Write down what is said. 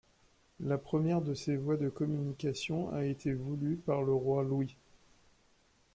La première de ces voies de communication a été voulue par le roi Louis.